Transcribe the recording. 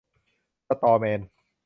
สะตอแมน